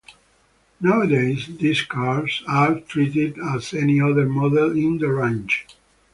Nowadays, these cars are treated as any other model in the range.